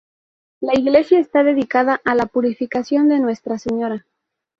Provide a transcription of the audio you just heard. La iglesia está dedicada a La Purificación de Nuestra Señora.